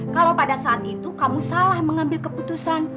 kalau pada saat itu kamu salah mengambil keputusan